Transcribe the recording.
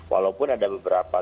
walaupun ada beberapa